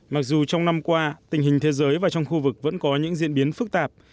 mặc dù trong năm qua tình hình thế giới và trong khu vực vẫn có những diễn biến phức tạp